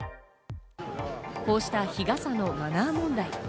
こうした日傘のマナー問題。